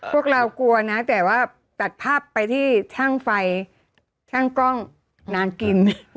พวกเรากลัวนะแต่ว่าตัดภาพไปที่ช่างไฟช่างกล้องนางกิน